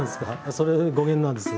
それが語源なんですね。